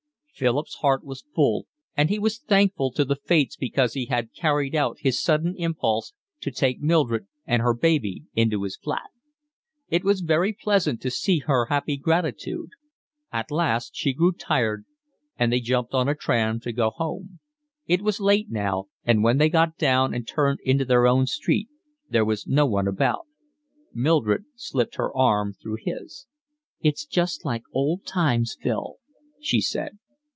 Philip's heart was full, and he was thankful to the fates because he had carried out his sudden impulse to take Mildred and her baby into his flat. It was very pleasant to see her happy gratitude. At last she grew tired and they jumped on a tram to go home; it was late now, and when they got down and turned into their own street there was no one about. Mildred slipped her arm through his. "It's just like old times, Phil," she said.